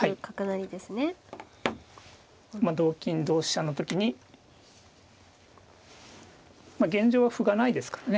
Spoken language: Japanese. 同金同飛車の時に現状は歩がないですからね。